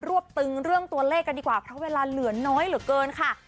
วบตึงเรื่องตัวเลขกันดีกว่าเพราะเวลาเหลือน้อยเหลือเกินค่ะ